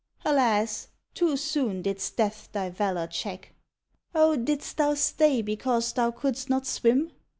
Alas! too soon didst death thy valor check! Oh, didst thou stay because thou couldst not swim?